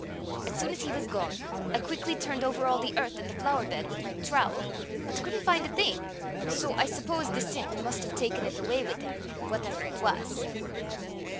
As soon as he was gone, I quickly turned over all the earth in the flower bed with my trowel, but couldn't find a thing, so I suppose the simp must have taken it away with him, whatever it was."